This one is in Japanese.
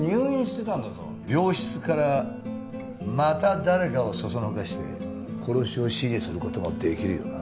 病室からまた誰かを唆して殺しを指示する事もできるよな。